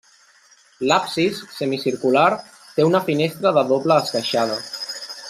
L'absis, semicircular, té una finestra de doble esqueixada.